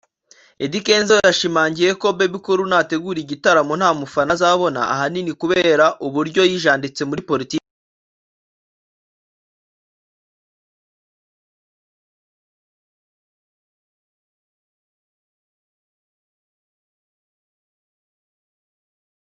Eddy Kenzo yashimangiye ko Bebe Cool nategura igitaramo nta mufana azabona ahanini kubera uburyo yijanditse muri Politiki